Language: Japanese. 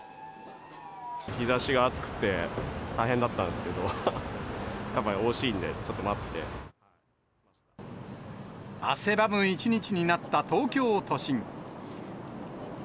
日ざしが暑くて、大変だったんですけど、やっぱりおいしいん汗ばむ一日になった東京都心。